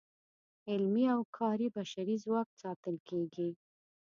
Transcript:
علمي او کاري بشري ځواک ساتل کیږي.